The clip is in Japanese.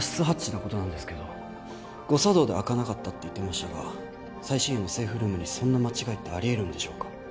ハッチのことなんですけど誤作動で開かなかったって言ってましたが最新鋭のセーフルームにそんな間違いってありえるんでしょうか？